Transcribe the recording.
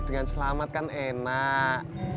dengan selamat kan enak